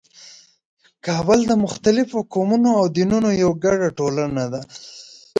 کابل د مختلفو قومونو او دینونو یوه ګډه ټولنه ده.